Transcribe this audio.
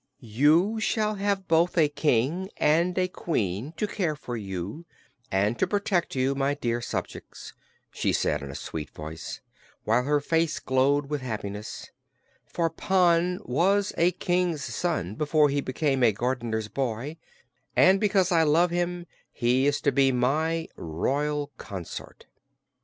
"You shall have both a King and a Queen to care for you and to protect you, my dear subjects," she said in a sweet voice, while her face glowed with happiness; "for Pon was a King's son before he became a gardener's boy, and because I love him he is to be my Royal Consort."